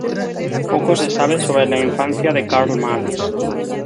Poco se sabe sobre la infancia de Karl Marx.